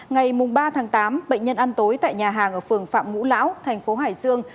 ngày ba tám bệnh nhân ăn tối tại nhà hàng ở phường phạm ngũ lão tp hải dương